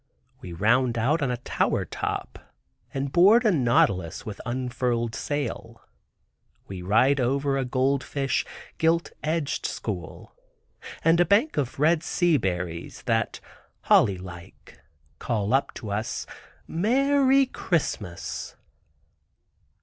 We round out on a tower top, and board a nautilus with unfurled sail. We ride over a gold fish "gilt edged" school, and a bank of red sea berries that holly like call up to us "Merry Christmas."